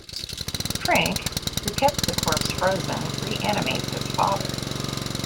Frink, who kept the corpse frozen, reanimates his father.